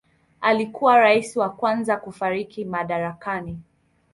Alikuwa rais wa kwanza kufariki madarakani.